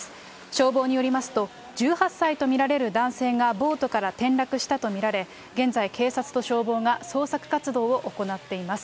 消防によりますと、１８歳と見られる男性がボートから転落したと見られ、現在警察と消防が捜索活動を行っています。